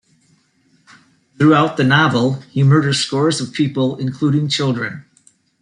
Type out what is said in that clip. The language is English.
Throughout the novel, he murders scores of people, including children.